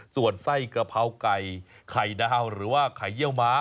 ส่วนไส้กะเพราไก่ไข่ดาวหรือว่าไข่เยี่ยวม้า